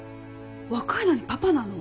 若いのにパパなの？